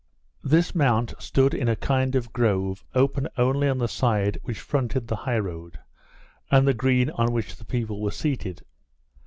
This mount stood in a kind of grove open only on the side which fronted the high road, and the green on which the people were seated.